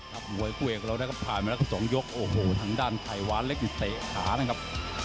หมวยผู้เอกเราผ่านมาแล้วก็สองยกทางด้านไข่หวานแล้วก็เตะขานะครับ